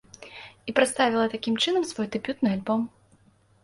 І прадставіла такім чынам свой дэбютны альбом.